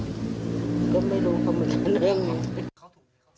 ก็ไม่รู้เขามันดี